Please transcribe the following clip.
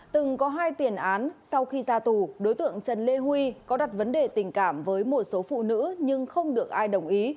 từng có hai tiền án sau khi ra tù đối tượng trần lê huy có đặt vấn đề tình cảm với một số phụ nữ nhưng không được ai đồng ý